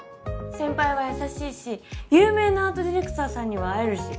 先輩は優しいし有名なアートディレクターさんにも会えるし。